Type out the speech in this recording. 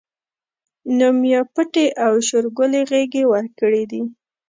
نو ميا پټي او شورګلې غېږې ورکړي دي